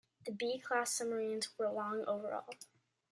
The B-class submarines were long overall.